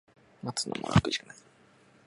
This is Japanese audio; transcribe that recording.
待つのも楽じゃない